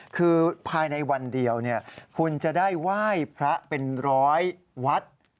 คือภายในวันเดียวคุณจะได้ไหว้พระเป็นร้อยวัด